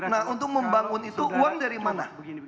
nah untuk membangun itu uang dari mana